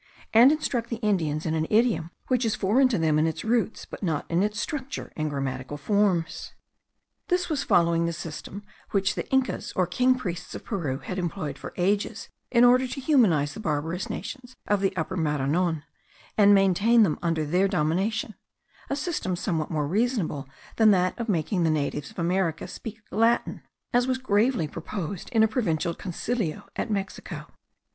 and instruct the Indians in an idiom which is foreign to them in its roots, but not in its structure and grammatical forms. This was following the system which the Incas, or king priests of Peru had employed for ages, in order to humanize the barbarous nations of the Upper Maranon, and maintain them under their domination; a system somewhat more reasonable than that of making the natives of America speak Latin, as was gravely proposed in a provincial concilio at Mexico.